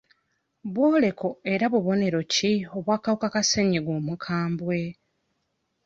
Bw'oleko era Bubonero ki obw'akawuka ka ssennyiga omukambwe?